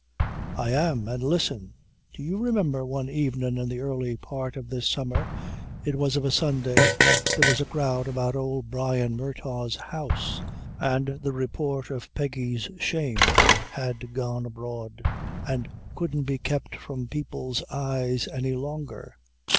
"I am, and listen. Do you remember one evenin' in the early part of this summer, it was of a Sunday, there was a crowd about old Brian Murtagh's house, and the report of Peggy's shame had gone abroad and couldn't be kept from people's eyes any longer.